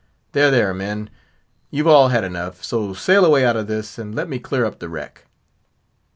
There, there, men, you've all had enough: so sail away out of this, and let me clear up the wreck."